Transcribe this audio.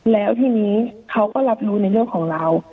แล้วทีนี้เขาก็รับรู้ในเรื่องของเรา